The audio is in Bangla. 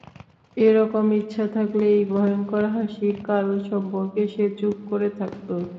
এ-রকম ইচ্ছা থাকলে, এই ভয়ংকর হাসির কারণ সম্পর্কে সে চুপ করে থাকত।